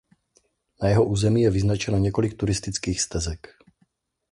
Na jeho území je vyznačeno několik turistických stezek.